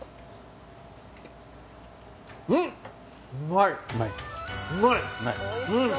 うんっうまい？